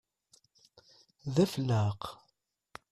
D afelleq!